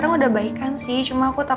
terima kasih mama